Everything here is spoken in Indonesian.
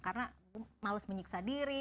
karena males menyiksa diri